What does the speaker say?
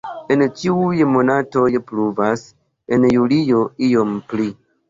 En ĉiuj monatoj pluvas, en julio iom pli.